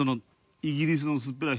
イギリスの薄っぺらい人。